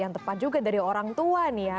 yang tepat juga dari orang tua nih ya